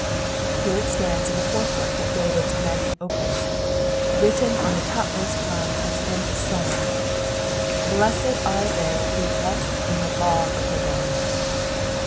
Here it stands in the forefront of David's magnum opus^ written on the topmost line of his greatest psalm —*^ Blessed abb thst who walk in the law of the Lord."